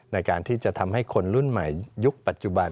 ในการที่จะทำให้คนรุ่นใหม่ยุคปัจจุบัน